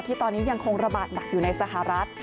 ตอนนี้ยังคงระบาดหนักอยู่ในสหรัฐ